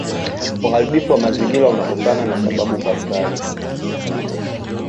uharibifu wa mazingira unatokana na sababu mbalimbali